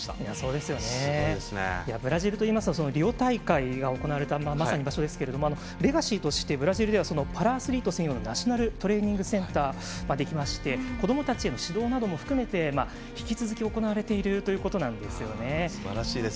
ブラジルといいますとリオ大会が行われた場所ですがレガシーとして、ブラジルではパラアスリート専用のナショナルトレーニングセンターができまして子どもたちへの指導を含めて引き続き行われているということなんですよね。